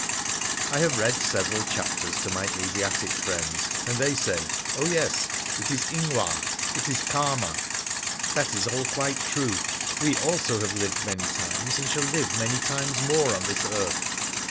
I have read several chapters to my Asiatic friends, and they say, ' Oh, yes ! It is ingwa ! it is Karma ! That is all quite true. We, alsq have lived many times, and shall live many times more on this earth.'